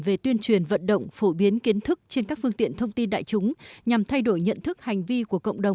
về tuyên truyền vận động phổ biến kiến thức trên các phương tiện thông tin đại chúng nhằm thay đổi nhận thức hành vi của cộng đồng